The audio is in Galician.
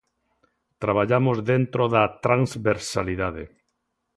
Traballamos dentro da transversalidade.